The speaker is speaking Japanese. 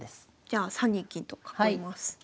じゃあ３二金と囲います。